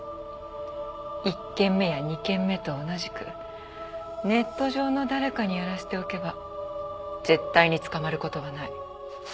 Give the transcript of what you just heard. １件目や２件目と同じくネット上の誰かにやらせておけば絶対に捕まる事はない。